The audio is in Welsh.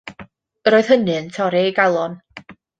Yr oedd hynny yn torri ei galon.